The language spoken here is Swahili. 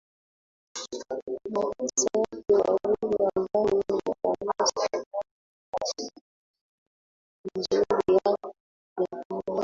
maafisa wake wawili ambaye ni amos adam wa nigeria na temarie